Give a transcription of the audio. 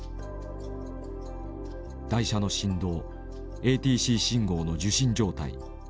台車の振動ＡＴＣ信号の受信状態